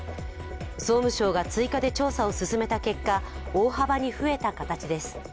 総務省が追加で調査を進めた結果、大幅に増えた形です。